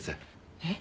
えっ？